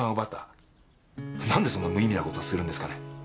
なんでそんな無意味な事をするんですかね？